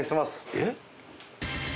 えっ？